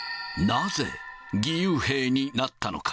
なぜ義勇兵になったのか。